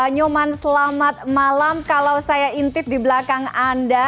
nyoman selamat malam kalau saya intip di belakang anda